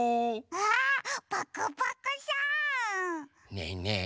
ねえねえ。